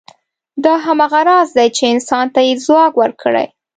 دا هماغه راز دی، چې انسان ته یې ځواک ورکړی.